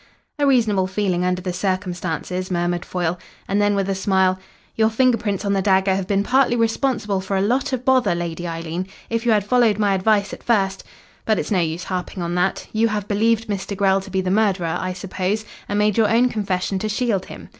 "A reasonable feeling, under the circumstances," murmured Foyle. And then, with a smile, "Your finger prints on the dagger have been partly responsible for a lot of bother, Lady Eileen. If you had followed my advice at first but it's no use harping on that. You have believed Mr. Grell to be the murderer, I suppose, and made your own confession to shield him.